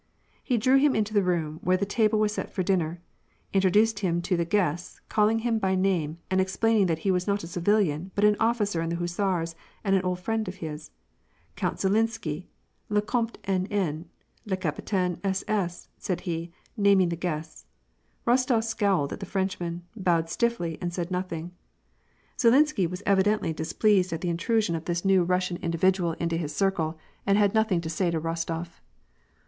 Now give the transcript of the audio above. He drew him into the room where the table was set for dinner, introduced him to the guests, calling him by pame, and explaining that he was not a civilian, but an officer in the hussars, and an old friend of his. " Count Zhilinsky," " le Comte N. N.," " le Capitaine S. S.," said he, naming the guests. Eostof scowled at the Frenchmen, bowed stiffly, and said nothing. Zhilinsky was evidently displeased at the intrusion of this 144 WAR AND PEACE. new Kussiau individual into his circle, and had nothing to say to Rostof.